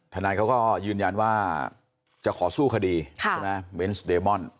ทนายเขาก็ยืนยันว่าจะขอสู้คดีเบนต์สเดมอน